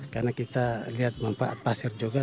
karena kita lihat manfaat pasir juga